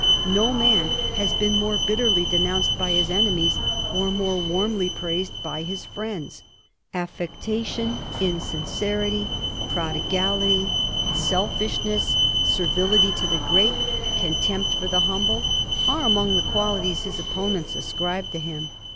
No man has been more bitterly denounced by his enemies or more warmly praised by his friends. Affectation, insincerity, prodigality. Digiti zed by Google 1780. LORD HERVEY. 403 selfishness, servility to the great, contempt for the humble, are among the qualities his opponents as cribe to him.